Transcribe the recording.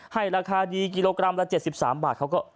ให้ราคาดีกิโลกรัมละ๗๓บาทเขาก็